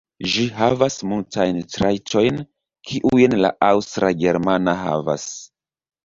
Ĝi havas multajn trajtojn, kiujn la Aŭstra-germana havas.